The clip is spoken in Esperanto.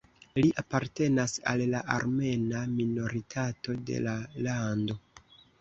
Li apartenas al la armena minoritato de la lando.